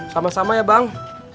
sama sama ya bang